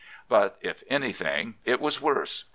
"But if anything it was worse.